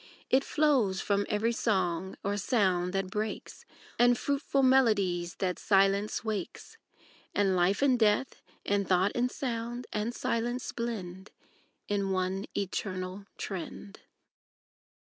It flows from every song or sound that brakes, And fruitful melodies that silence wakes; And life and death, and tho't, and sound and silence blend In one eternal trend.